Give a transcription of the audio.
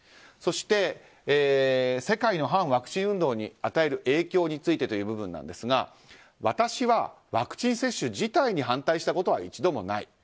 そして、世界の反ワクチン運動に与える影響についてという部分なんですが私はワクチン接種自体に反対したことは一度もない。